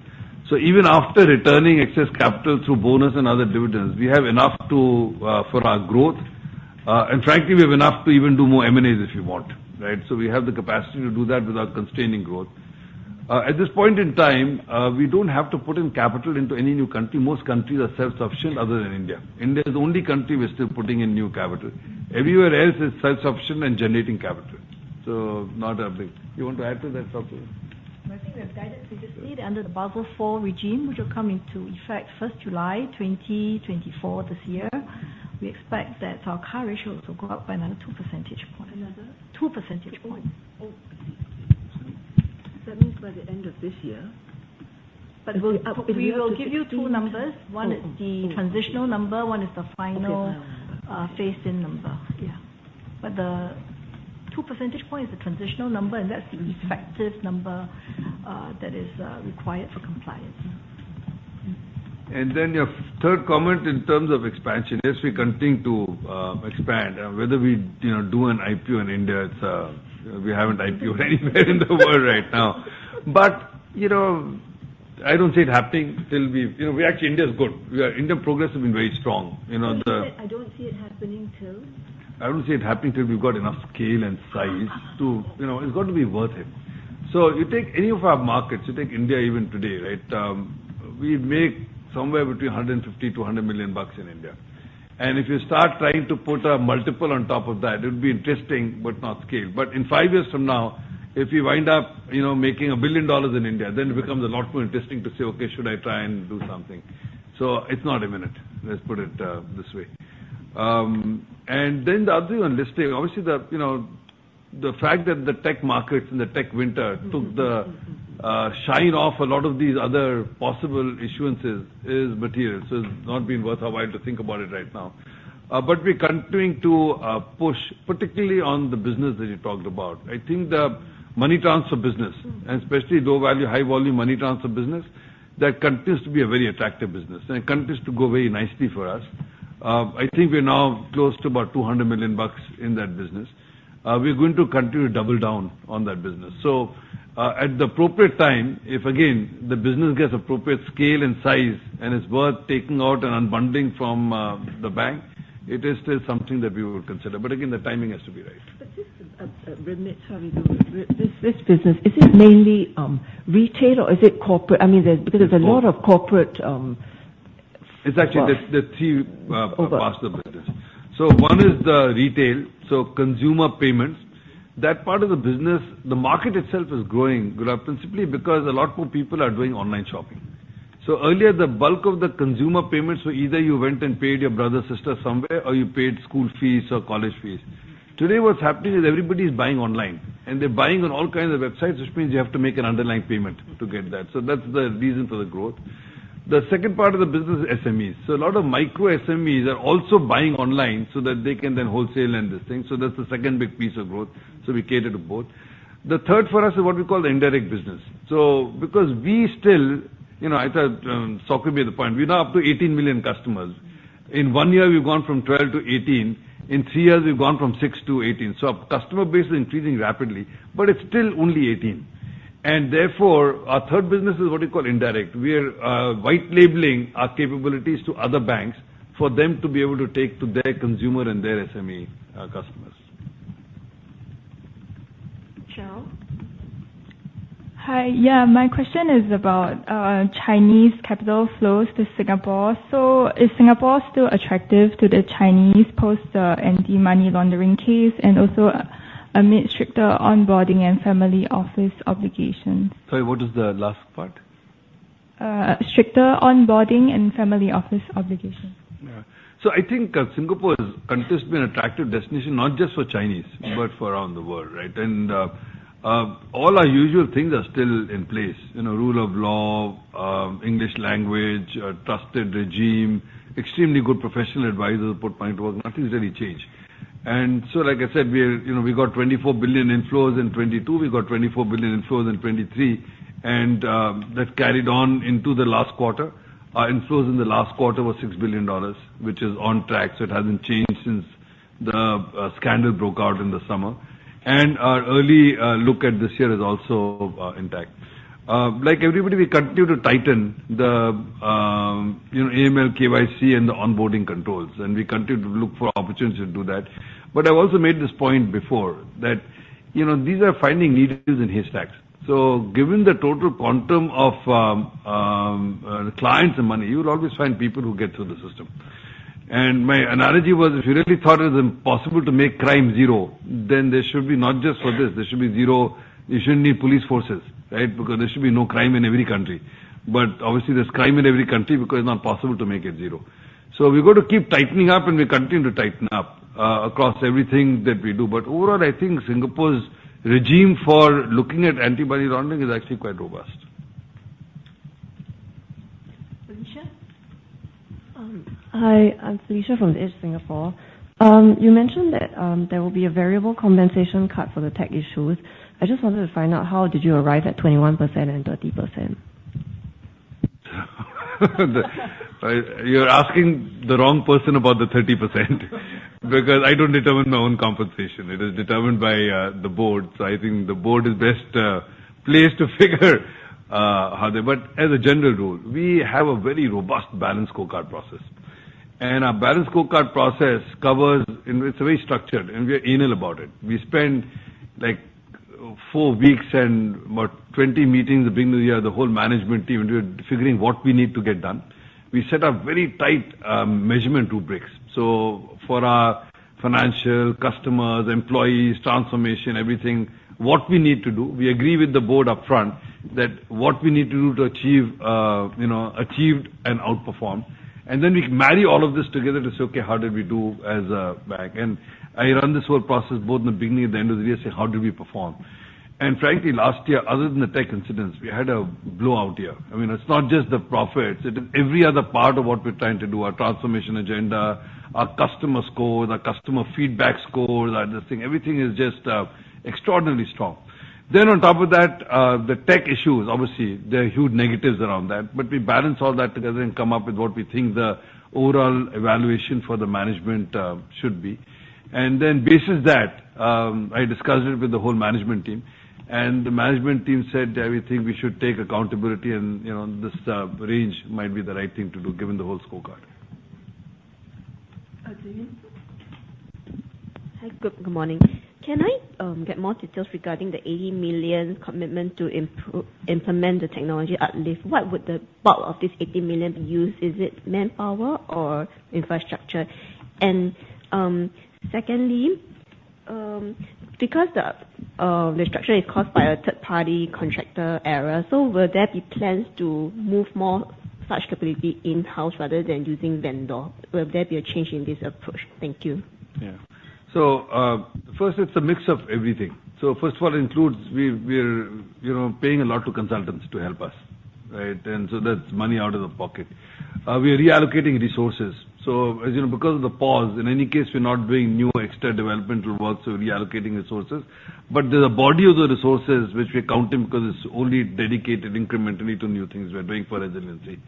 So even after returning excess capital through bonus and other dividends, we have enough to, for our growth, and frankly, we have enough to even do more M&As if we want, right? So we have the capacity to do that without constraining growth. At this point in time, we don't have to put in capital into any new country. Most countries are self-sufficient other than India. India is the only country we're still putting in new capital. Everywhere else is self-sufficient and generating capital. So not a big... You want to add to that, Sok Hui? I think we have guided previously under the Basel IV regime, which will come into effect July 1, 2024, this year. We expect that our CAR ratio to go up by another 2 percentage points. Another? 2 percentage points.... That means by the end of this year? But we'll, we will give you two numbers. One is the transitional number, one is the final- Okay. Phased-in number. Yeah. But the 2 percentage point is the transitional number, and that's the effective number, that is, required for compliance. Then your third comment in terms of expansion, yes, we continue to expand. Whether we, you know, do an IPO in India, it's, we haven't IPOd anywhere in the world right now. But, you know, I don't see it happening till we... You know, we actually, India is good. India progress has been very strong. You know, the- I don't see it happening till? I wouldn't see it happening till we've got enough scale and size to, you know, it's got to be worth it. So you take any of our markets, you take India, even today, right? We make somewhere between $150 million and $100 million in India. And if you start trying to put a multiple on top of that, it would be interesting, but not scale. But in five years from now, if we wind up, you know, making $1 billion in India, then it becomes a lot more interesting to say, "Okay, should I try and do something?" So it's not imminent. Let's put it this way. And then the other one, listing. Obviously, the, you know, the fact that the tech markets and the tech winter took the shine off a lot of these other possible issuances is material, so it's not been worth our while to think about it right now. But we're continuing to push, particularly on the business that you talked about. I think the money transfer business, and especially low-value, high-volume money transfer business, that continues to be a very attractive business, and it continues to go very nicely for us. I think we're now close to about $200 million in that business. We're going to continue to double down on that business. So, at the appropriate time, if, again, the business gets appropriate scale and size and is worth taking out and unbundling from the bank, it is still something that we would consider. But again, the timing has to be right. But this, sorry, this business, is it mainly retail or is it corporate? I mean, there's, because there's a lot of corporate. It's actually the three parts of business. So one is the retail, so consumer payments. That part of the business, the market itself is growing, principally because a lot more people are doing online shopping. So earlier, the bulk of the consumer payments were either you went and paid your brother, sister somewhere, or you paid school fees or college fees. Today, what's happening is everybody's buying online, and they're buying on all kinds of websites, which means you have to make an underlying payment to get that. So that's the reason for the growth. The second part of the business is SMEs. So a lot of micro SMEs are also buying online so that they can then wholesale and this thing. So that's the second big piece of growth. So we cater to both. The third for us is what we call the indirect business. So because we still, you know, I thought, Sok Hui made the point, we're now up to 18 million customers. In one year, we've gone from 12 to 18. In three years, we've gone from 6 to 18. So our customer base is increasing rapidly, but it's still only 18. And therefore, our third business is what we call indirect. We are white labeling our capabilities to other banks for them to be able to take to their consumer and their SME customers. Michelle? Hi. Yeah, my question is about Chinese capital flows to Singapore. Is Singapore still attractive to the Chinese post the anti-money laundering case and also amid stricter onboarding and family office obligations? Sorry, what is the last part? Stricter onboarding and family office obligations. Yeah. So I think Singapore has continued to be an attractive destination, not just for Chinese, but for around the world, right? And all our usual things are still in place. You know, rule of law, English language, a trusted regime, extremely good professional advisors, but the point was nothing's really changed. And so, like I said, we're, you know, we got $24 billion inflows in 2022, we got $24 billion inflows in 2023, and that carried on into the last quarter. Our inflows in the last quarter was $6 billion, which is on track, so it hasn't changed since the scandal broke out in the summer. And our early look at this year is also intact. Like everybody, we continue to tighten the, you know, AML, KYC, and the onboarding controls, and we continue to look for opportunities to do that. But I've also made this point before, that, you know, these are finding needles in haystacks. So given the total quantum of, clients and money, you would always find people who get through the system. And my analogy was, if you really thought it was impossible to make crime zero, then there should be not just for this, there should be zero... You shouldn't need police forces, right? Because there should be no crime in every country. But obviously, there's crime in every country because it's not possible to make it zero. So we've got to keep tightening up, and we continue to tighten up, across everything that we do. Overall, I think Singapore's regime for looking at anti-money laundering is actually quite robust. Felicia? Hi, I'm Felicia from The Edge Singapore. You mentioned that there will be a variable compensation cut for the tech issues. I just wanted to find out, how did you arrive at 21% and 30%? You're asking the wrong person about the 30%, because I don't determine my own compensation. It is determined by the board. So I think the board is best placed to figure how they... But as a general rule, we have a very robust balanced scorecard process, and our balanced scorecard process covers... And it's very structured, and we are anal about it. We spend, like, four weeks and about 20 meetings at the beginning of the year, the whole management team, into figuring what we need to get done. We set up very tight measurement rubrics. So for our financial, customers, employees, transformation, everything, what we need to do, we agree with the board upfront... that what we need to do to achieve, you know, achieved and outperform. Then we marry all of this together to say, "Okay, how did we do as a bank?" I run this whole process both in the beginning and the end of the year, say: How did we perform? Frankly, last year, other than the tech incidents, we had a blowout year. I mean, it's not just the profits, it is every other part of what we're trying to do, our transformation agenda, our customer score, our customer feedback score, this thing, everything is just, extraordinarily strong. Then on top of that, the tech issues, obviously, there are huge negatives around that, but we balance all that together and come up with what we think the overall evaluation for the management, should be. And then, based on that, I discussed it with the whole management team, and the management team said, "We think we should take accountability and, you know, this range might be the right thing to do, given the whole scorecard. Okay. Good morning. Can I get more details regarding the 80 million commitment to implement the technology uplift? What would the part of this 80 million be used, is it manpower or infrastructure? And secondly, because the outage is caused by a third-party contractor error, so will there be plans to move more such capacity in-house rather than using vendor? Will there be a change in this approach? Thank you. Yeah. So, first, it's a mix of everything. So first of all, it includes we're, you know, paying a lot to consultants to help us, right? And so that's money out of the pocket. We're reallocating resources. So as you know, because of the pause, in any case, we're not doing new extra developmental work, so reallocating resources. But there's a body of the resources which we're counting because it's only dedicated incrementally to new things we're doing for resiliency.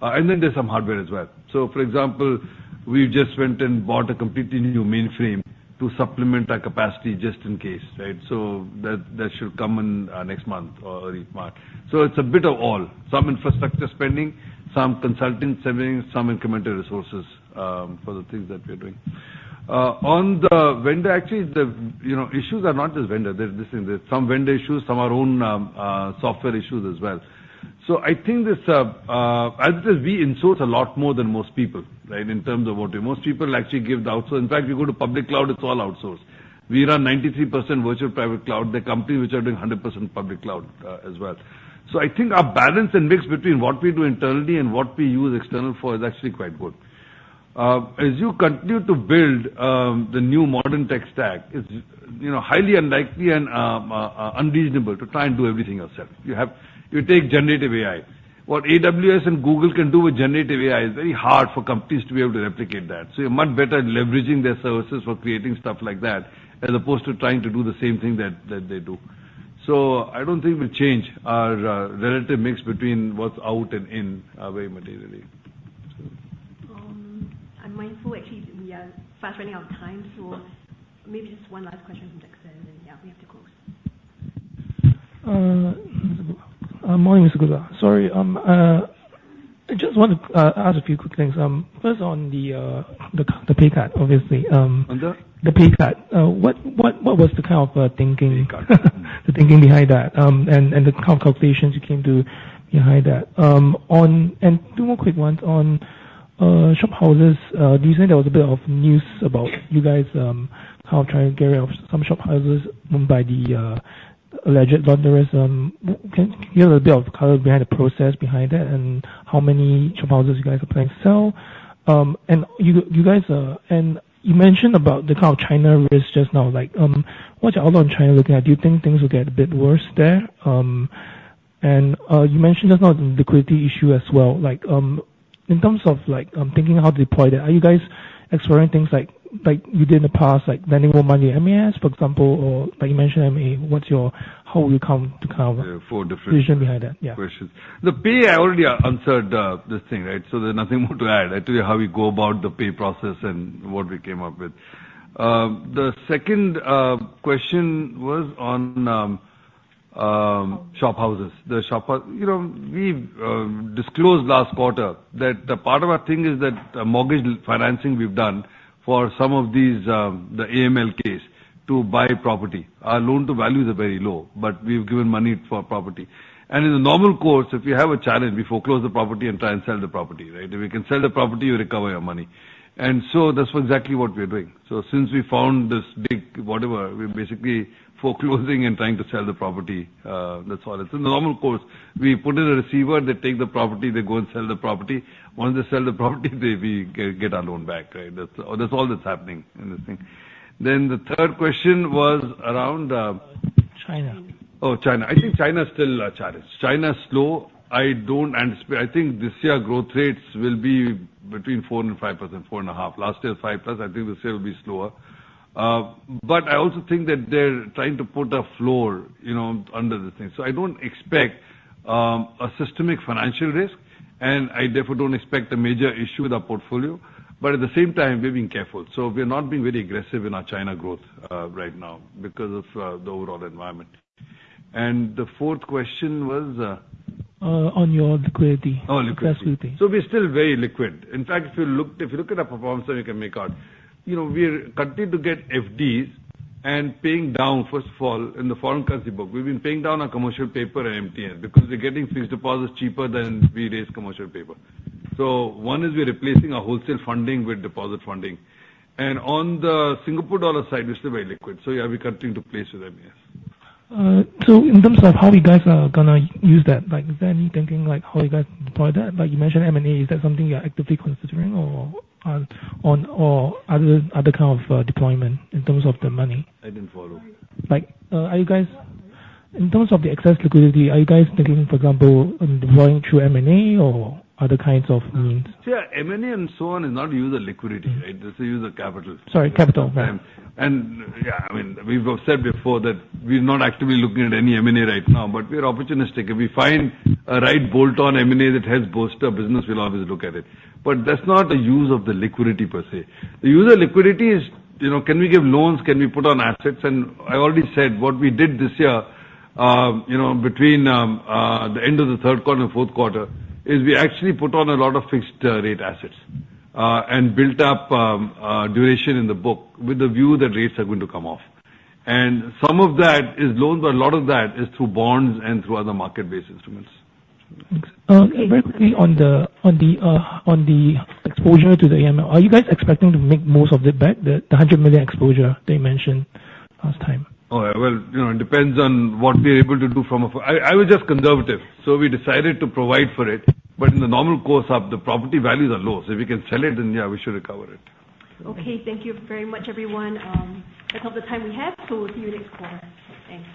And then there's some hardware as well. So for example, we just went and bought a completely new mainframe to supplement our capacity, just in case, right? So that, that should come in, next month or early March. So it's a bit of all. Some infrastructure spending, some consulting spending, some incremental resources, for the things that we're doing. On the vendor, actually, you know, issues are not just vendor. There's some vendor issues, some are own software issues as well. So I think this, as we in-source a lot more than most people, right, in terms of what... Most people actually give the outsource. In fact, you go to public cloud, it's all outsourced. We run 93% virtual private cloud, there are companies which are doing 100% public cloud, as well. So I think our balance and mix between what we do internally and what we use external for is actually quite good. As you continue to build the new modern tech stack, it's, you know, highly unlikely and unreasonable to try and do everything yourself. You have. You take generative AI. What AWS and Google can do with generative AI is very hard for companies to be able to replicate that, so you're much better leveraging their services for creating stuff like that, as opposed to trying to do the same thing that, that they do. So I don't think we'll change our relative mix between what's out and in very materially. I'm mindful, actually, we are fast running out of time, so maybe just one last question from Jackson, and, yeah, we have to close. Morning, Suguna. Sorry, I just wanted to ask a few quick things. First, on the pay cut, obviously, On the? The pay cut. What was the kind of thinking behind that, and the kind of calculations you came to behind that? Two more quick ones. On shop houses, recently there was a bit of news about you guys how trying to get rid of some shop houses by the alleged plunderers. Can you give a bit of color behind the process behind that, and how many shop houses you guys are planning to sell? And you guys, you mentioned about the kind of China risk just now, like, what's out on China looking at? Do you think things will get a bit worse there? You mentioned there's no liquidity issue as well, like, in terms of like thinking how to deploy that, are you guys exploring things like, like you did in the past, like lending more money, MAS, for example, or like you mentioned, M&A, what's your- how you come to kind of- Yeah, four different- Decision behind that? Yeah. Questions. The pay, I already answered this thing, right? So there's nothing more to add. I tell you how we go about the pay process and what we came up with. The second question was on shop houses. The shop house-- You know, we disclosed last quarter that a part of our thing is that mortgage financing we've done for some of these the AML case to buy property. Our loan to values are very low, but we've given money for property. And in the normal course, if you have a challenge, we foreclose the property and try and sell the property, right? If we can sell the property, we recover our money. And so that's exactly what we're doing. So since we found this big, whatever, we're basically foreclosing and trying to sell the property, that's all. It's in the normal course. We put in a receiver, they take the property, they go and sell the property. Once they sell the property, they, we get our loan back, right? That's all that's happening in this thing. Then the third question was around. China. Oh, China. I think China is still a challenge. China is slow. I don't anticipate... I think this year, growth rates will be between 4% and 5%, 4.5. Last year, 5+. I think this year will be slower. But I also think that they're trying to put a floor, you know, under the thing. So I don't expect a systemic financial risk, and I therefore don't expect a major issue with our portfolio. But at the same time, we're being careful, so we're not being very aggressive in our China growth right now because of the overall environment. And the fourth question was? On your liquidity. Oh, liquidity. Excess liquidity. So we're still very liquid. In fact, if you look at our performance, so you can make out. You know, we're continuing to get FDs and paying down, first of all, in the foreign currency book. We've been paying down our commercial paper and MTN because we're getting fixed deposits cheaper than we raise commercial paper. So one is we're replacing our wholesale funding with deposit funding. And on the Singapore dollar side, we're still very liquid, so, yeah, we're continuing to place with them, yes. So in terms of how you guys are gonna use that, like, is there any thinking, like, how you guys deploy that? Like you mentioned, M&A, is that something you're actively considering or on, or other kind of deployment in terms of the money? I didn't follow. Like, are you guys... In terms of the excess liquidity, are you guys thinking, for example, deploying through M&A or other kinds of means? Yeah, M&A and so on is not use of liquidity, right? This is use of capital. Sorry, capital, right. And, yeah, I mean, we've said before that we're not actively looking at any M&A right now, but we're opportunistic. If we find a right bolt-on M&A that helps boost our business, we'll always look at it. But that's not the use of the liquidity per se. The use of liquidity is, you know, can we give loans? Can we put on assets? And I already said, what we did this year, you know, between the end of the Q3 and Q4, is we actually put on a lot of fixed rate assets and built up duration in the book with the view that rates are going to come off. And some of that is loans, but a lot of that is through bonds and through other market-based instruments. Thanks. Very quickly on the exposure to the AML. Are you guys expecting to make most of it back, the 100 million exposure that you mentioned last time? Oh, well, you know, it depends on what we're able to do from a... I was just conservative, so we decided to provide for it. But in the normal course of the property, values are low, so if we can sell it, then, yeah, we should recover it. Okay, thank you very much, everyone. That's all the time we have, so we'll see you next quarter. Thanks.